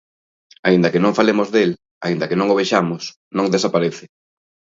Aínda que non falemos del, aínda que non o vexamos, non desaparece.